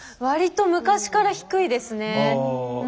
割と昔から低いですね。